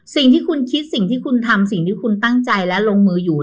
สิ่งที่คุณคิดสิ่งที่คุณทำสิ่งที่คุณตั้งใจและลงมืออยู่